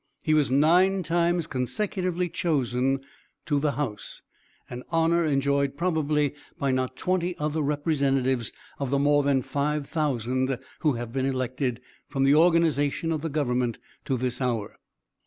He was nine times consecutively chosen to the House, an honor enjoyed probably by not twenty other Representatives of the more than five thousand who have been elected, from the organization of the government, to this hour.